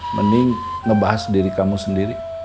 mending ngebahas diri kamu sendiri